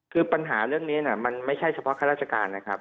คือปัญหาเรื่องนี้มันไม่ใช่เฉพาะข้าราชการนะครับ